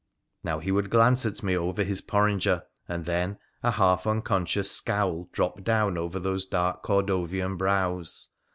Now he would glance at me over his porringer, and then a half unconscious scowl dropped down over those dark Cordovian brows.